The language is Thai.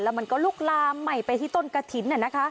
มันก็ลุกลามใหม่ไปที่ต้นกระถิ่น